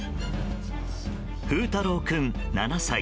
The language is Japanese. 風太郎君、７歳。